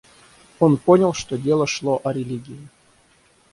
Он понял, что дело шло о религии.